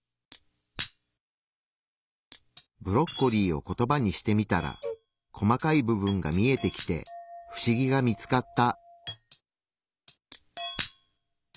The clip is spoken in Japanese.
ブロッコリーをコトバにしてみたら細かい部分が見えてきて不思議が見つかった。